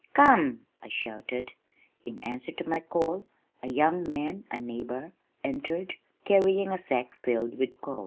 "Come," I shouted. In answer to my call, a young man, a neighbor, entered, carrying a sack filled with coal.